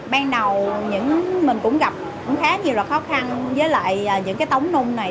ban đầu mình cũng gặp khá nhiều loại khó khăn với lại những tống nung này